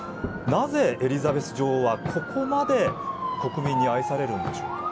なぜエリザベス女王は、ここまで国民に愛されるんでしょうか。